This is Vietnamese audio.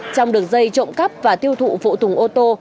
trong đường dây trộm cắp và tiêu thụ phụ tùng ô tô